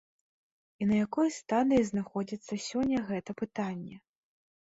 І на якой стадыі знаходзіцца сёння гэта пытанне?